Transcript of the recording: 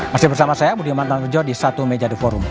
masih bersama saya budi manthan pejo di satu meja the forum